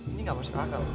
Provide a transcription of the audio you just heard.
ini nggak masuk akal